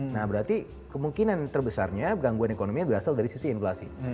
nah berarti kemungkinan terbesarnya gangguan ekonominya berasal dari sisi inflasi